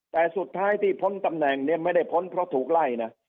แต่สุดท้ายที่พ้นตำแหน่งเนี่ยไม่ได้พ้นเพราะถูกไล่นะ